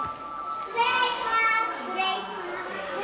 失礼します。